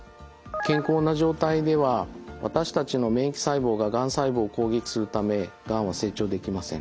健康な状態では私たちの免疫細胞ががん細胞を攻撃するためがんは成長できません。